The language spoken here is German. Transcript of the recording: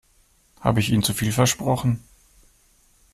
Habe ich Ihnen zu viel versprochen?